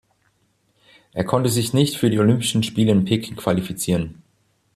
Er konnte sich nicht für die Olympischen Spiele in Peking qualifizieren.